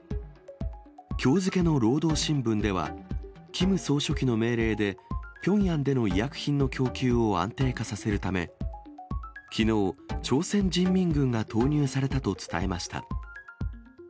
きょう付けの労働新聞では、キム総書記の命令で、ピョンヤンでの医薬品の供給を安定化させるため、きのう、朝鮮人民軍が投入されたと伝えました。